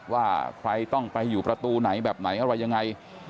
ว่าใครต้องไปอยู่ประตูไหนแบบไหนอะไรยังไง